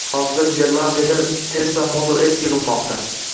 Hozirda Niderlandiyada Tesla Model S yig‘ilmoqda.